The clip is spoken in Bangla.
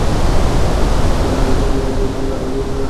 সকাল নয়টায় শেষ খবর পাওয়া পর্যন্ত আগুন নিয়ন্ত্রণে আনার চেষ্টা চলছে।